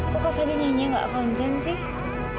kok kava dia nyanyi gak konsen sih